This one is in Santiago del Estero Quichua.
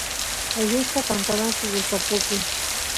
allusta tantanaku gustapukun